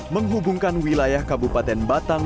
menghubungkan wilayah kabupaten batang